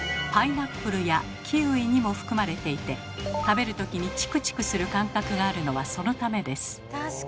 パイナップルやキウイにも含まれていて食べる時にチクチクする感覚があるのはそのためです。